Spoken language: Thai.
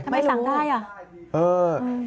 ไม่รู้ทำไมสั่งได้